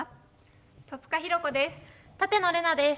戸塚寛子です。